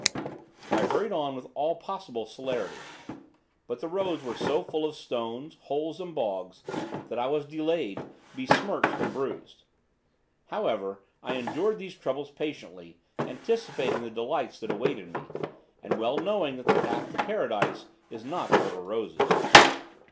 I hurried on with all possible celerity. But the roads were so full of stones, holes and bogs, that I was delayed, besmirched, and bruised. However, I endured these troubles patiently, anticipating the delights that awaited me, and well knowing that the path to paradise is not over roses.